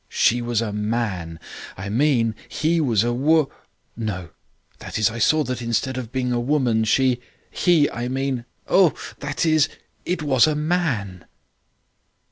She was a man. I mean he was a wo no, that is I saw that instead of being a woman she he, I mean that is, it was a man."